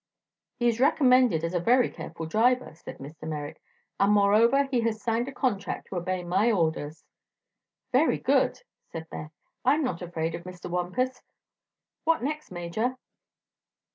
"He is recommended as a very careful driver," said Mr. Merrick; "and moreover he has signed a contract to obey my orders." "Very good," said Beth. "I'm not afraid of Mr. Wampus. What next, Major?"